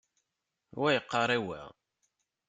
Wa yeqqaṛ i wa.